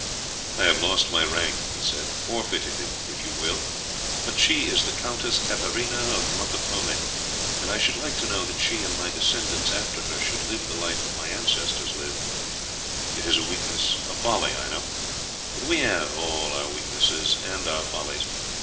'I have lost my rank,' he said, 'forfeited it, if you will; but she is the Countess Katarina of Montepone, and I should like to know that she and my descendants after her should live the life that my ancestors lived. It is a weakness, a folly, I know; but we have all our weak points and our follies.